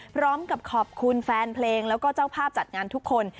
พร้อมกับขอบคุณแฟนเพลงแล้วก็เจ้าภาพจัดงานทุกคน